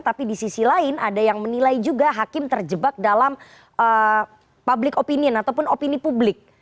tapi di sisi lain ada yang menilai juga hakim terjebak dalam public opinion ataupun opini publik